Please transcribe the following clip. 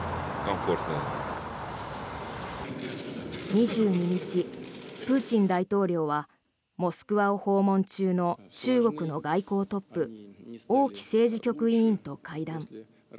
２２日、プーチン大統領はモスクワを訪問中の中国の外交トップ王毅政治局委員と会談。